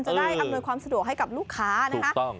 จะได้อำนวยความสะดวกให้กับลูกค้าถูกต้อง